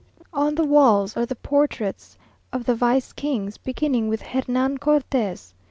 On the walls are the portraits of the vice kings, beginning with Hernan Cortes.